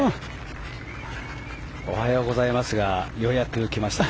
おはようございますがようやく来ました。